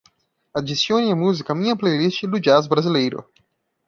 Adicione a música à minha playlist do jazz brasileiro.